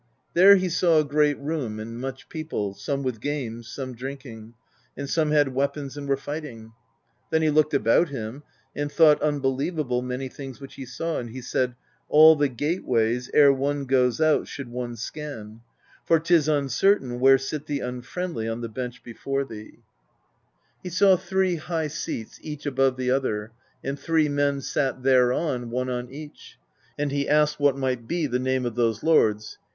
There he saw a great room and much people, some with games, some drinking; and some had weapons and were fighting. Then he looked about him, and thought unbelievable many things which he saw; and he said: All the gateways ere one goes out Should one scan: For 't is uncertain where sit the unfriendly On the bench before thee. THE BEGUILING OF GYLFI 15 He saw three high seats, each above the other, and three men sat thereon, one on each. And he asked what might be the name of those lords.